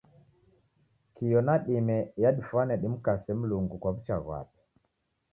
Kio na dime yadifwane dimkase Mlungu kwa w'ucha ghwape.